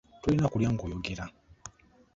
Tolina kulya ng'oyogera.